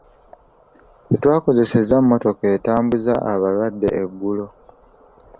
Tetwakozesezza mmotoka etambuza abalwadde eggulo.